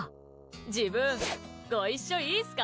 自分、ご一緒いいですか？